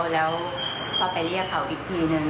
แล้วก็ไปเรียกเขาอีกทีนึง